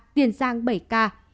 tiền giang bảy ca